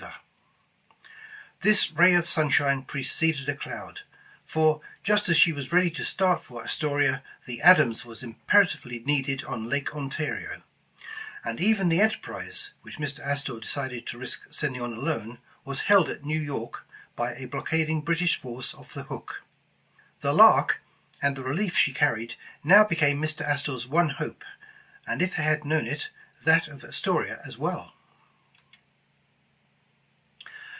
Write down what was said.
212 England's Trophy This ray of sunshine preceded a cloud, for just as she was ready to start for Astoria, the Adams was im peratively needed on Lake Ontario; and even the En terprise, which Mr. Astor decided to risk sending on alone, was held at New York by a blockading British force off the Hook. The Lark, and the relief she carried, now became Mr. Astor 's one hope, and if they had known it, that of Astoria as well.